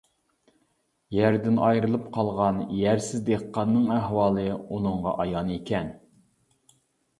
يەردىن ئايرىلىپ قالغان يەرسىز دېھقاننىڭ ئەھۋالى ئۇنىڭغا ئايان ئىكەن.